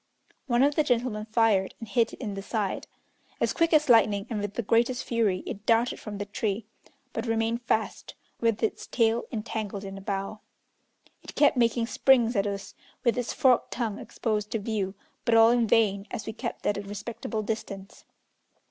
One of the gentlemen fired, and hit it in the side. As quick as lightning, and with the greatest fury, it darted from the tree, but remained fast, with its tail entangled in a bough. It kept making springs at us, with its forked tongue exposed to view, but all in vain, as we kept at a respectable distance.